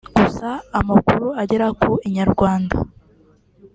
gusa amakuru agera ku Inyarwanda